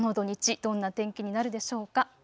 どんな天気になるでしょうか。